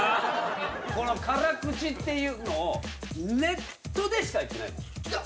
この辛口っていうのをネットでしか言ってない。